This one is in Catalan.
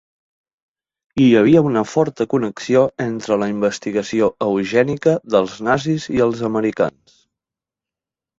Hi havia una forta connexió entre la investigació eugènica dels nazis i els americans.